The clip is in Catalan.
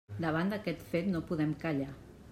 Davant d'aquest fet no podem callar.